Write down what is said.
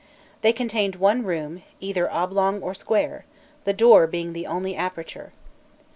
They contained one room, either oblong or square, the door being the only aperture.